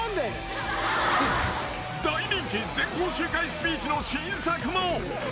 大人気全校集会スピーチの新作も。